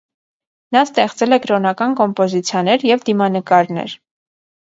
Նա ստեղծել է կրոնական կոմպոզիցիաներ և դիմանկարներ։